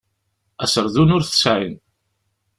Aserdun ur t-sεin.